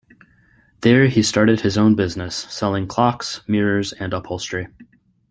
There he started his own business, selling clocks, mirrors and upholstery.